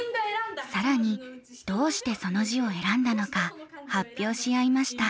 更にどうしてその字を選んだのか発表し合いました。